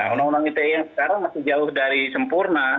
undang undang ite yang sekarang masih jauh dari sempurna